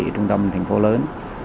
trung tâm tp hcm